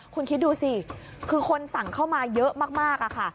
คุณคิดดูสิคือคนสั่งเข้ามาเยอะมากค่ะ